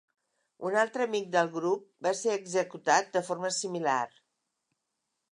Un altre amic del grup va ser executat de formar similar.